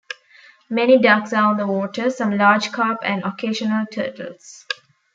Many ducks are on the water, some large carp and occasional turtles.